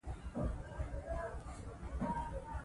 غازي ایوب خان خپل ځواک تنظیموي.